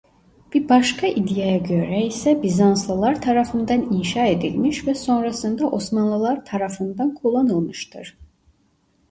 Bir başka iddiaya göre ise Bizanslılar tarafından inşa edilmiş ve sonrasında Osmanlılar tarafından kullanılmıştır.